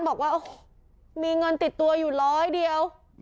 บอกว่าโอ้โหมีเงินติดตัวอยู่ร้อยเดียว